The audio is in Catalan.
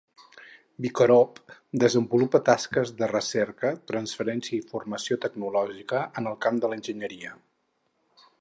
ViCOROB desenvolupa tasques de recerca, transferència i formació tecnològica en el camp de l'enginyeria.